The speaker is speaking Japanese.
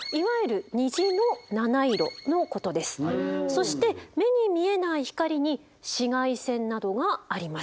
そして目に見えない光に紫外線などがあります。